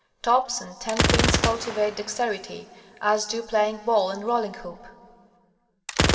Tops and tenpins cultivate dexterity, as do playing ball and rolling hoop.